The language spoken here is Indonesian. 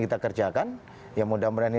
kita kerjakan ya mudah mudahan ini